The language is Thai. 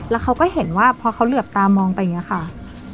แล้วเขาก็เห็นว่าพอเขาเหลือบตามองไปอย่างนี้ค่ะ